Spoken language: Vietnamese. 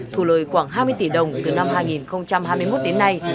thù lời khoảng hai mươi tỷ đồng từ năm hai nghìn hai mươi một đến nay